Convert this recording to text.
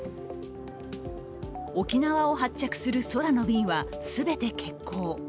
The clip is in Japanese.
沖縄を発着する空の便は全て欠航。